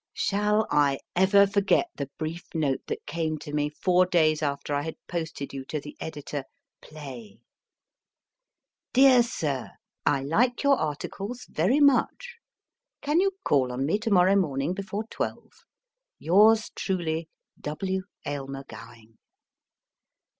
Shall I ever forget the brief note that came to me four days after I had posted you to " The Editor Play ":" Dear Sir, I like your articles very much. Can you call on me to morrow morning before twelve ? Yours truly, W. AYLMER COWING."